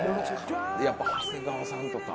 やっぱ長谷川さんとか。